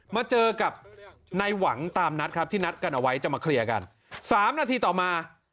มาเจอกับในหวังตามนัดครับที่นัดกันเอาไว้จะมาเคลียร์กัน๓นาทีต่อมา